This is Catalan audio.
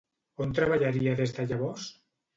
On treballaria des de llavors?